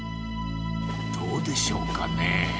どうでしょうかね。